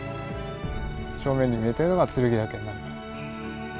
正面に見えてるのが剱岳になります。